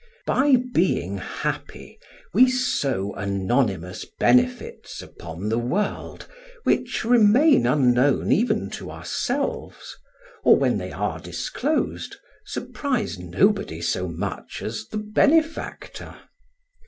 By being happy, we sow anonymous benefits upon the world, which remain unknown even to ourselves, or when they are disclosed, surprise nobody so much as the benefactor.